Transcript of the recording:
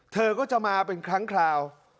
เธอก็จะมาเป็นครั้งคราว